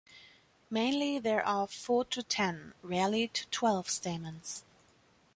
Mainly there are four to ten, rarely to twelve stamens.